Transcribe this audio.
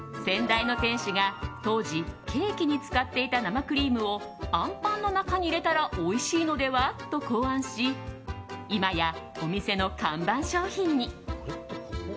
先代の店主が当時、ケーキに使っていた生クリームをあんぱんの中に入れたらおいしいのではと考案し今やお店の看板商品に。